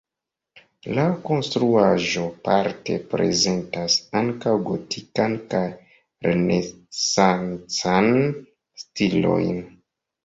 La konstruaĵo parte prezentas ankaŭ gotikan kaj renesancan stilojn.